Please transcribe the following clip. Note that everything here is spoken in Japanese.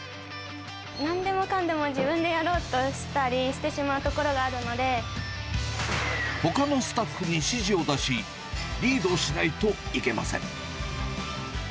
なんでもかんでも自分でやろうとしたり、ほかのスタッフに指示を出し、リードしないといけません。